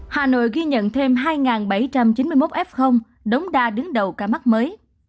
hà nội ghi nhận thêm hai bảy trăm chín mươi một f đống đa đứng đầu ca mắc mới